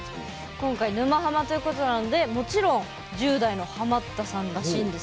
今回「沼ハマ」ということなのでもちろん１０代のハマったさんらしいんですよ。